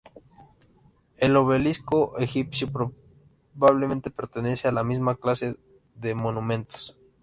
El obelisco egipcio probablemente pertenece a la misma clase de monumentos.